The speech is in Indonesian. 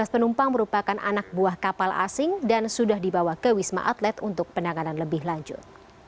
tiga belas penumpang merupakan anak buah kapal asing dan sudah dibawa ke wisma atlet untuk penanganan lebih lanjut